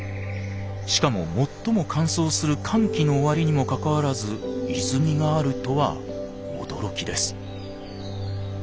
しかも最も乾燥する乾季の終わりにもかかわらず泉があるとは驚きです。